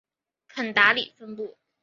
肯达里分布。